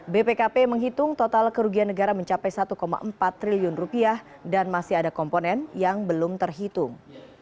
bpkp menghitung total kerugian negara mencapai satu empat triliun rupiah dan masih ada komponen yang belum terhitung